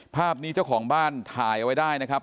ภาพนี้เจ้าของบ้านถ่ายเอาไว้ได้นะครับ